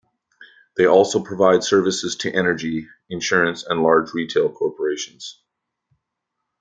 They also provide services to energy, insurance and large retail corporations.